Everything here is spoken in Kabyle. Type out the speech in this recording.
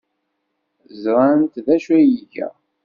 Ẓrant d acu ay iga?